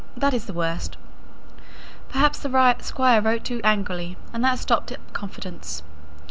That is the worst. Perhaps the Squire wrote too angrily, and that stopped up confidence.